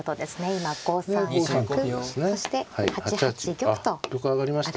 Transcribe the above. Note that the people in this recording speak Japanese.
今５三角そして８八玉と上がりました。